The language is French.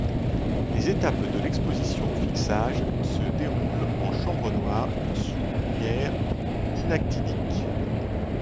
Les étapes de l'exposition au fixage se déroulent en chambre noire sous lumière inactinique.